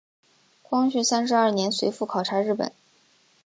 光绪三十二年随父考察日本。